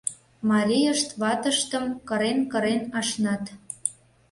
— Марийышт ватыштым кырен-кырен ашнат.